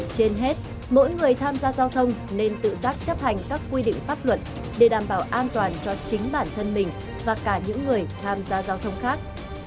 trên hết mỗi người tham gia giao thông nên tự giác chấp hành các quy định pháp luật để đảm bảo an toàn cho chính bản thân mình và cả những người tham gia giao thông khác